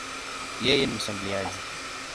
Yeye ni mshambuliaji.